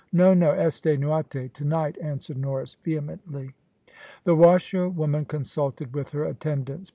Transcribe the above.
"No, no, `esta noite,' to night," answered Norris vehemently. The washerwoman consulted with her attendants.